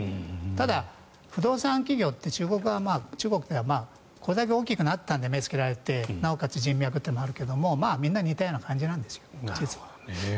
ただ、不動産企業って中国ではこれだけ大きくなったんで目をつけられてなおかつ人脈というのもあるけどみんな似たような感じなんです実は。